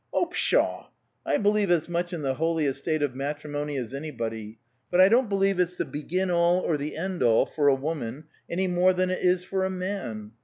"Oh, pshaw! I believe as much in the holy estate of matrimony as anybody, but I don't believe it's the begin all or the end all for a woman, any more than it is for a man.